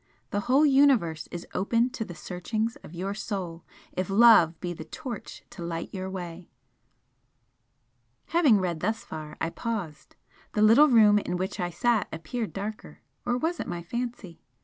The whole Universe is open to the searchings of your Soul if Love be the torch to light your way!" Having read thus far, I paused the little room in which I sat appeared darker or was it my fancy?